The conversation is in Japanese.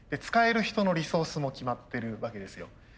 使える人のリソースも決まってるわけですよ。